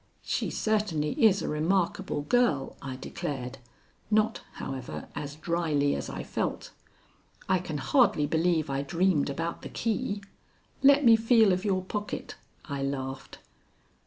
"She certainly is a remarkable girl," I declared, not, however, as dryly as I felt. "I can hardly believe I dreamed about the key. Let me feel of your pocket," I laughed.